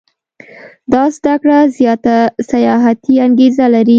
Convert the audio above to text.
دا زده کړه زیاته سیاحتي انګېزه لري.